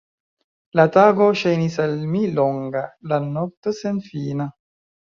La tago ŝajnis al mi longa; la nokto, senfina.